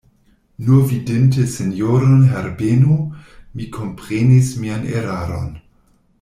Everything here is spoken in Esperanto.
Nur vidinte sinjoron Herbeno, mi komprenis mian eraron.